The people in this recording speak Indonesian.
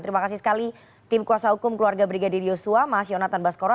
terima kasih sekali tim kuasa hukum keluarga brigadir yosua mas yonatan baskoro